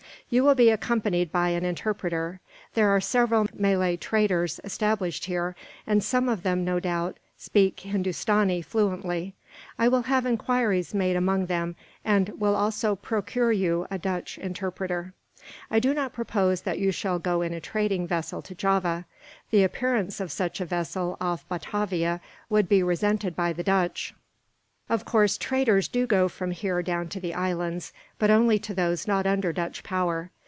You will be accompanied by an interpreter. "There are several Malay traders established here; and some of them, no doubt, speak Hindustani fluently. I will have enquiries made among them, and will also procure you a Dutch interpreter. "I do not propose that you shall go in a trading vessel to Java. The appearance of such a vessel, off Batavia, would be resented by the Dutch. Of course, traders do go from here down to the islands, but only to those not under Dutch power.